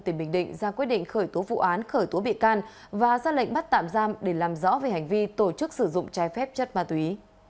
tỉnh bình định ra quyết định khởi tố vụ án khởi tố bị can và ra lệnh bắt tạm giam để làm rõ về hành vi tổ chức sử dụng trái phép chất ma túy